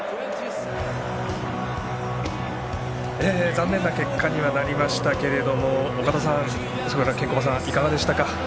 残念な結果にはなりましたけども岡田さん、ケンコバさんいかがでしたか？